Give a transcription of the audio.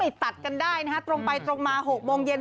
ตัดกันได้นะฮะตรงไปตรงมา๖โมงเย็น